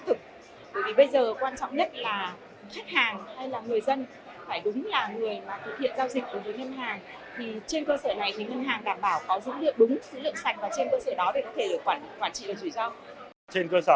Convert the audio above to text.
thì trên cơ sở này thì ngân hàng đảm bảo có dữ liệu đúng dữ liệu sạch và trên cơ sở đó thì có thể được quản trị được rủi ro